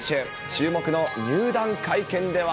注目の入団会見では。